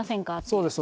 そうです